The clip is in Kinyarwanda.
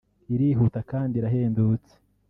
irihuta kandi irahendutse